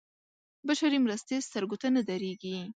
بشري مرستې سترګو ته نه درېږي.